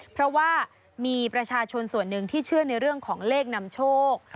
เพราะว่ามีประชาชนส่วนหนึ่งที่เชื่อในเรื่องของเลขนำโชค